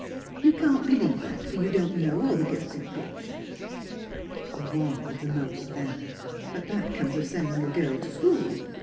You can't believe that, for you don't know all the girls in creation." " One of the most, then ; but that comes of sending a girl to school.